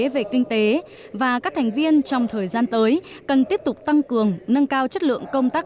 về kinh tế và các thành viên trong thời gian tới cần tiếp tục tăng cường nâng cao chất lượng công tác